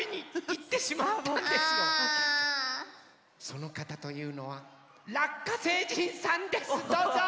そのかたというのはラッカ星人さんですどうぞ！